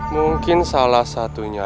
mungkin salah satunya